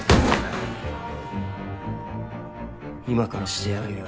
今からしてやるよ